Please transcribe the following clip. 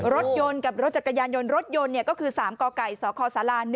รถยนต์กับรถจักรยานยนต์รถยนต์ก็คือ๓กไก่สคศ๑